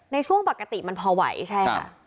ในช่วงปกติมันพอไหวใช่ค่ะ